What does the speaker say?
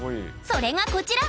それがこちら！